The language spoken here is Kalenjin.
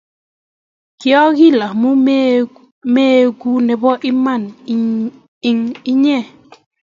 kyagil amu maegu nebo Iman eng inye